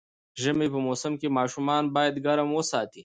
ژمی په موسم کې ماشومان باید ګرم وساتي